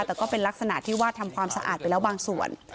แต่ก็เป็นลักษณะที่ว่าทำความสะอาดไปแล้วบางส่วน